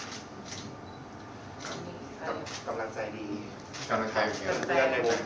กำลังใจดี